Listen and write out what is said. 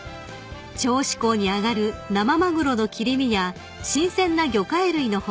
［銚子港に揚がる生マグロの切り身や新鮮な魚介類の他